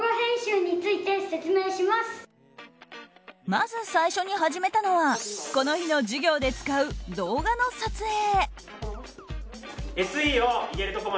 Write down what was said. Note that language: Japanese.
まず最初に始めたのはこの日の授業で使う動画の撮影。